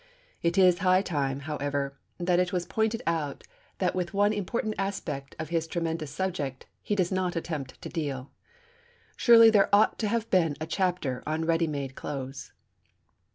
It is high time, however, that it was pointed out that with one important aspect of his tremendous subject he does not attempt to deal. Surely there ought to have been a chapter on Ready made Clothes!